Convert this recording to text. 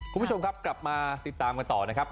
คุณผู้ชมครับกลับมาติดตามกันต่อนะครับ